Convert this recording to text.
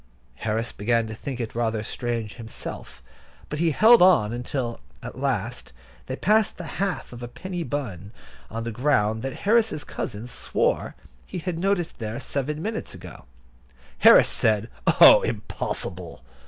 Harris began to think it rather strange himself, but he held on until, at last, they passed the half of a penny bun on the ground that Harris's cousin swore he had noticed there seven minutes ago. Harris said: "Oh, impossible!"